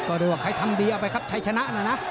ก็ดูว่าใครทำดีเอาไปครับชัยชนะนะนะ